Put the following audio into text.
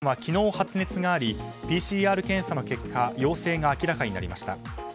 東野さんは昨日、発熱がありＰＣＲ検査の結果陽性が明らかになりました。